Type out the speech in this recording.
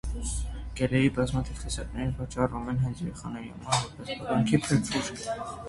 Գելերի բազմաթիվ տեսակներ վաճառվում են հենց երեխաների համար՝ որպես լոգանքի փրփուր։